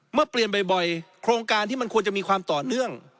เมื่อเปลี่ยนบ่อยโครงการที่มันควรจะมีความต่อเนื่อง